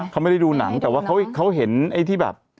เขาไม่ได้ดูหนังแต่ว่าเขาเห็นไอ้ที่แบบ